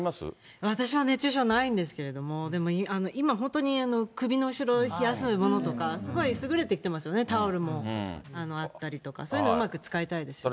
私は熱中症ないんですけれども、でも、今、本当に首の後ろ冷やすものとか、すごい優れてきてますよね、タオルもあったりとか、そういうものをうまく使いたいですよね。